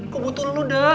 gue butuh lu dada